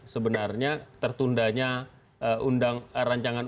sebenarnya tertundanya rancangan undang undang ini